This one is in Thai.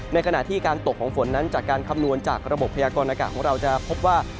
ในขณะที่การตกของฝนนั้นจากการคำนวณจากระบบพยากรณากาศของเราจะพบว่า